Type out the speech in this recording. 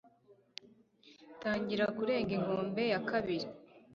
tangira kurenga inkombe ya kabiri